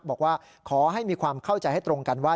บอกว่าขอให้มีความเข้าใจให้ตรงกันว่า